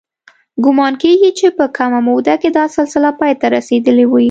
ګومان کېږي چې په کمه موده کې دا سلسله پای ته رسېدلې وي.